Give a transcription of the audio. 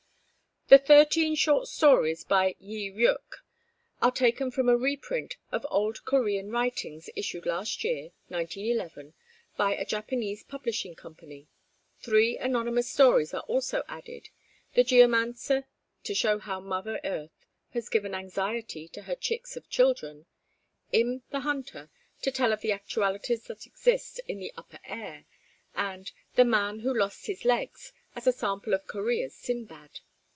The thirteen short stories by Yi Ryuk are taken from a reprint of old Korean writings issued last year (1911), by a Japanese publishing company. Three anonymous stories are also added, "The Geomancer," to show how Mother Earth has given anxiety to her chicks of children; "Im, the Hunter," to tell of the actualities that exist in the upper air; and "The Man who lost his Legs," as a sample of Korea's Sinbad.